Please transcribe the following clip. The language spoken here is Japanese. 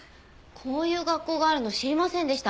こういう学校があるの知りませんでした。